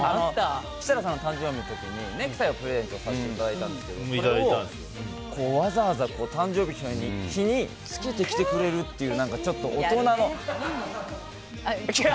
設楽さんの誕生日の時にネクタイをプレゼントさせていただいたんですけどそれをわざわざ誕生日の日に着けてきてくれるっていうちょっと大人の。